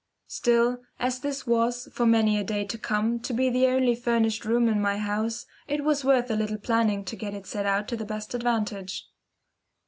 Still, as this was, for many a day to come, to be the only furnished room in my house, it was worth a little planning to get it set out to the best advantage.